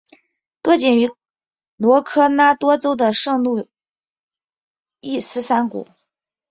多见于科罗拉多州的圣路易斯山谷。